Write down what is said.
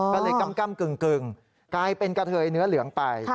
ก็เลยกำกึ่งกลายเป็นกะเทยเนื้อเหลืองไป